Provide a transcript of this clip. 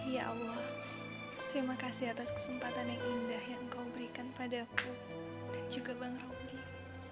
ya allah terima kasih atas kesempatan yang indah yang kau berikan padaku dan juga bang roby